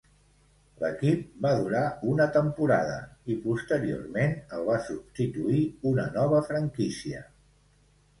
L'equip va durar una temporada i, posteriorment, el va substituir una nova franquícia.